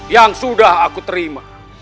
yang sudah aku terima